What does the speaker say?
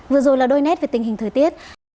vừa rồi là đôi nét về tình hình thời tiết